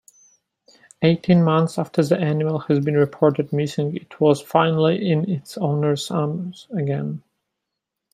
Eighteen months after the animal has been reported missing it was finally in its owner's arms again.